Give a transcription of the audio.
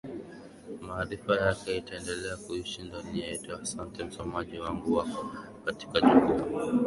Maarifa yake itaendelea kuishi ndani yetu Ahsante msomaji wanguWako katika Jukwaa